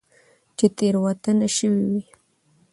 چې تيروتنه شوي وي